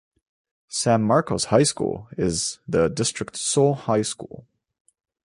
San Marcos High School is the district's sole high school.